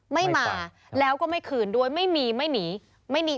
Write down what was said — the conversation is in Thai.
ไม่มาแล้วก็ไม่คืนด้วยไม่มีไม่หนีไม่มี